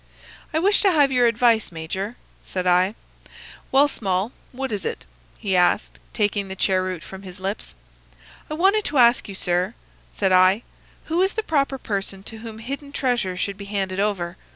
"'I wish to have your advice, major,' said I. "'Well, Small, what is it?' he asked, taking his cheroot from his lips. "'I wanted to ask you, sir,' said I, 'who is the proper person to whom hidden treasure should be handed over.